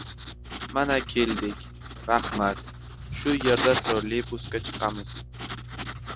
— Mana, keldik. Rahmat. Shu yerda trolleybusga chiqamiz.